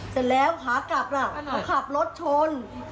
แต่แล้วขาขับน่ะเขาขับรถชน